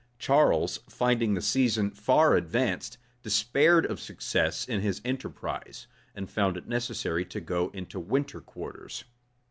Charles, finding the season far advanced, despaired of success in his enterprise, and found it necessary to go into winter quarters.